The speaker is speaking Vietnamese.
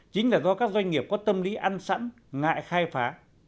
chính là do các doanh nghiệp có tâm lý ăn sẵn ngại khai phá